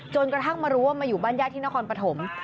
กระทั่งมารู้ว่ามาอยู่บ้านญาติที่นครปฐม